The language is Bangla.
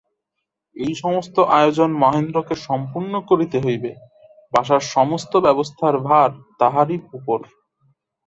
এই-সমস্ত আয়োজন মহেন্দ্রকে সম্পূর্ণ করিতে হইবে, বাসার সমস্ত ব্যবস্থার ভার তাহারই উপরে।